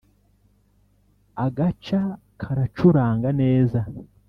agaca karacuranga neza